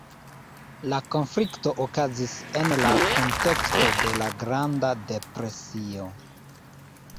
La konflikto okazis en la kunteksto de la Granda Depresio.